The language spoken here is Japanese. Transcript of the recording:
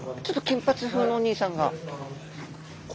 ちょっと金髪風のお兄さんが。